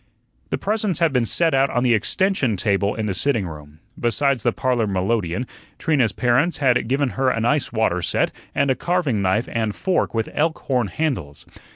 The presents had been set out on the extension table in the sitting room. Besides the parlor melodeon, Trina's parents had given her an ice water set, and a carving knife and fork with elk horn handles.